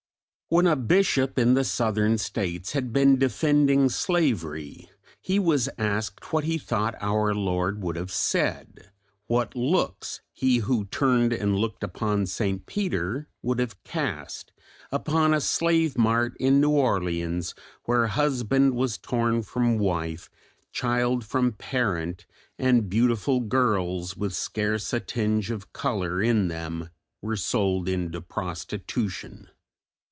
When a bishop in the Southern States had been defending slavery, he was asked what he thought our Lord would have said, what looks He who turned and looked upon St. Peter would have cast upon a slave mart in New Orleans, where husband was torn from wife, child from parent, and beautiful girls, with scarce a tinge of colour in them, were sold into prostitution.